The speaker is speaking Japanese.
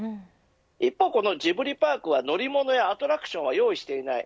一方、ジブリパークは乗り物やアトラクションは用意していない。